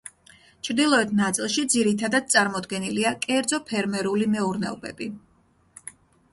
ჩრდილოეთ ნაწილში ძირითადად წარმოდგენილია კერძო ფერმერული მეურნეობები.